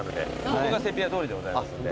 ここがセピア通りでございますんで。